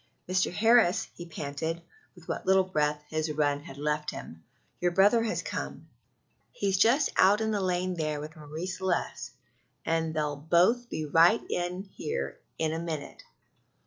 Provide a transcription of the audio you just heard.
"Mr. Harris," he panted, with what little breath his run had left him, "your brother has come he's just out in the lane there with Marie Celeste, and they'll both be right in here in a minute."